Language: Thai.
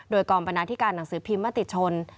โดยกองบันดาลที่การหนังสือภิมศ์มาติชน